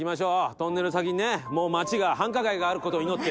トンネルの先にねもう町が繁華街がある事を祈って。